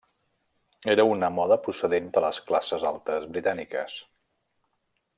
Era una moda procedent de les classes altes britàniques.